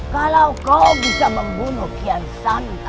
kalau kau bisa membunuh kian santa